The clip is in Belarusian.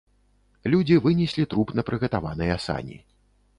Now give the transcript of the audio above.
Людзі вынеслі труп на прыгатаваныя сані.